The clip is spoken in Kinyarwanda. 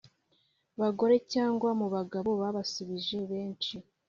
Bagore cyangwa mu bagabo abasubije benshi